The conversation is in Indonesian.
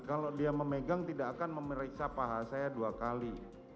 kalau dia memegang tidak akan memeriksa paha saya dua kali